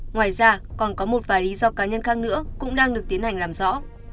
ngoài ra còn có một vài lý do cá nhân khác nữa cũng đang được tiến hành làm rõ